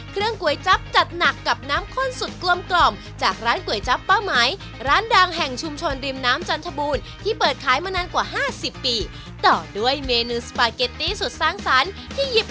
ของตมยมแบบไทยใทย